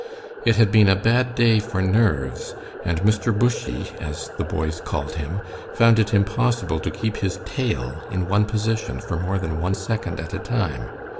It had been a bad day for nerves, and Mr. Bushy, as the boys called him, found it impossible to keep his tail in one position for more than one second at a time.